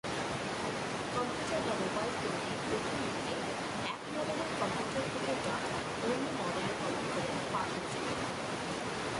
Computer বা mobile তৈরির প্রথম দিকে এক মডেলের কম্পিউটার থেকে ডাটা অন্য মডেলের কম্পিউটারে পাঠানো যেত না।